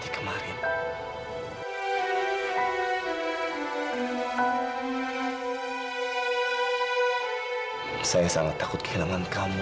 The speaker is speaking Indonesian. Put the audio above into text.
kamu dengar suara saya